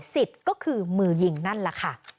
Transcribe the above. สิทธิ์ก็คือมือยิงนั่นแหละค่ะ